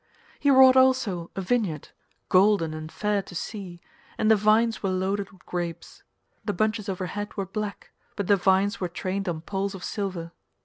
He wrought also a vineyard, golden and fair to see, and the vines were loaded with grapes. The bunches overhead were black, but the vines were trained on poles of silver.